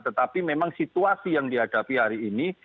tetapi memang situasi yang dihadapi hari ini